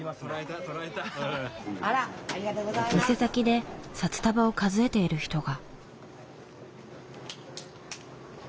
店先で札束を数えている人が。